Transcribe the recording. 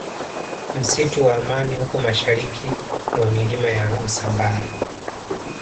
msitu wa amani uko mashariki mwa milima ya usambara